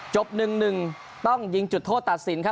จบหนึ่งหนึ่งต้องยิงจุดโทษตัดสินครับ